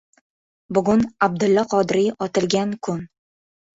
Bugun Abdulla Qodiriy otilgan kun